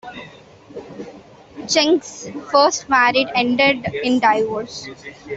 Schenck's first marriage ended in divorce.